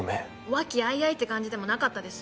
和気あいあいって感じでもなかったです？